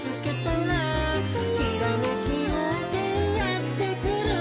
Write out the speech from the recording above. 「ひらめきようせいやってくる」